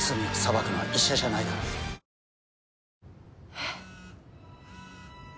えっ？